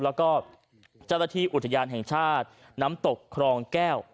แล้วก็เจ้าหน้าที่อุทยานแห่งชาติน้ำตกครองแก้ว